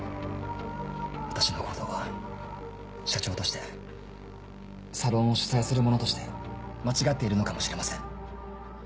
私の行動は社長としてサロンを主催する者として間違っているのかもしれません。